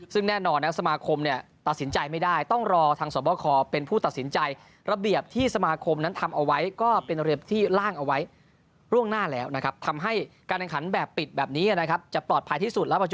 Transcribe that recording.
ซึ่งแน่นอนสมาคมตัดสินใจไม่ได้ต้องรอทางสวบคเป็นผู้ตัดสินใจ